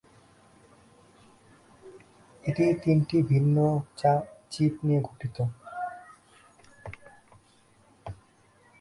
এটি তিনটি ভিন্ন চিপ নিয়ে গঠিত।